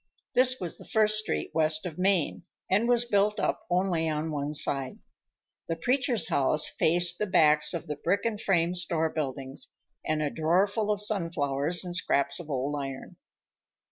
This was the first street west of Main, and was built up only on one side. The preacher's house faced the backs of the brick and frame store buildings and a draw full of sunflowers and scraps of old iron.